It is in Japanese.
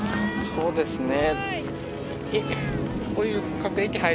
そうですね。